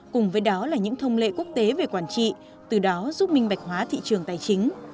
cùng với đó là những thông lệ quốc tế về quản trị từ đó giúp minh bạch hóa thị trường tài chính